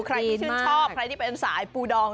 ใครที่ชื่นชอบใครที่เป็นสายปูดอง